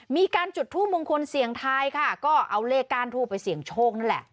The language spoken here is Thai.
มีการจุดทูปมงคลเสียงทายค่ะก็เอาเลขก้านทูบไปเสี่ยงโชคนั่นแหละ